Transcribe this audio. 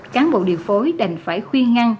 cán bộ điều phối đành phải khuyên ngăn